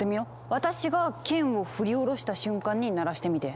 私が剣を振り下ろした瞬間に鳴らしてみて！